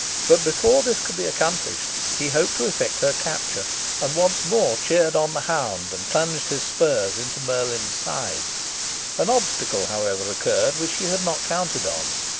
But before this could be accomplished, he hoped to effect her capture, and once more cheered on the hound, and plunged his spurs into Merlin's sides. An obstacle, however, occurred which he had not counted on.